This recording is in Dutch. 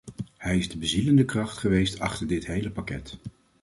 Hij is de bezielende kracht geweest achter dit hele pakket.